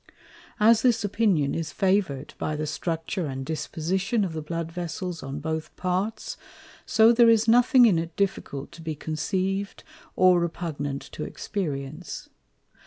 As this Opinion is Favour'd by the Structure and Disposition of the Blood Vessels on both Parts, so there is nothing in it difficult to be conceiv'd, or repugnant to Experience.